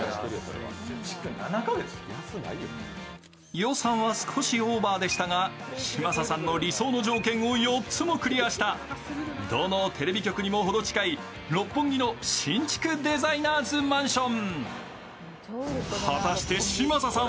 予算は少しオーバーでしたが、嶋佐さんの理想の条件を４つもクリアしたどのテレビ局にもほど近い、六本木の新築デザイナーズマンション。